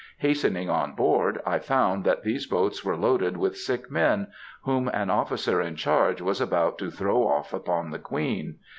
Hastening on board, I found that these boats were loaded with sick men, whom an officer in charge was about to throw off upon the Queen.